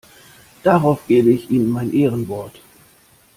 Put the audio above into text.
Darauf gebe ich Ihnen mein Ehrenwort!